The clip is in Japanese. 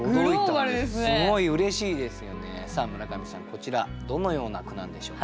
こちらどのような句なんでしょうか。